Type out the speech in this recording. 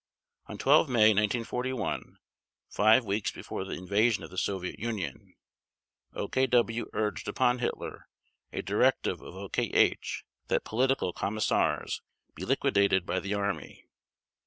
On 12 May 1941, five weeks before the invasion of the Soviet Union, OKW urged upon Hitler a directive of OKH that political commissars be liquidated by the Army.